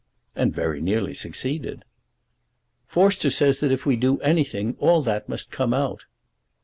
"And very nearly succeeded." "Forster says that if we do anything, all that must come out."